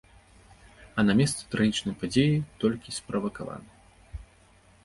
А на месцы трагічнай падзеі толькі справакаваны.